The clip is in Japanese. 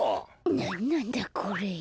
なんなんだこれ。